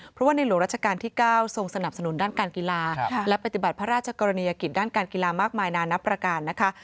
เพราะว่าในหลวงราชการที่๙ทรงสนับสนุนด้านการกีฬาและปฏิบัติพระราชกรณียกิจด้านการกีฬามากมายนานับประการนะคะ